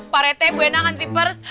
pak rt bu hendang hansipers